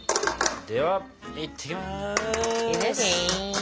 ではいってきます！